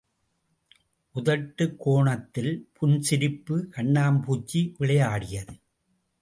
உதட்டுக் கோணத்தில் புன் சிரிப்பு கண்ணாம்பூச்சி விளையாடியது.